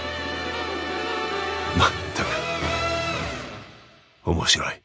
まったく面白い！